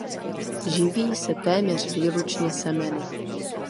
Živí se téměř výlučně semeny.